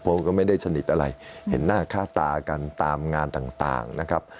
ผมก็ไม่ได้สนิทอะไรเห็นหน้าค่าตากันตามงานต่างนะครับ